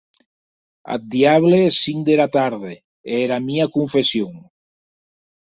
Ath diable es cinc dera tarde e era mia confession!